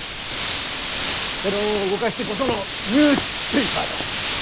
世論を動かしてこそのニュースペイパーだ！